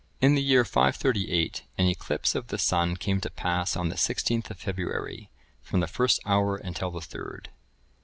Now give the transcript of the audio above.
] In the year 538, an eclipse of the sun came to pass on the 16th of February, from the first hour until the third.